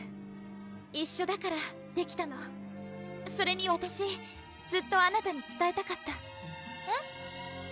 一緒だからできたのそれにわたしずっとあなたにつたえたかったえっ？